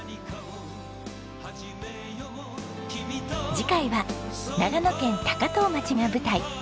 次回は長野県高遠町が舞台。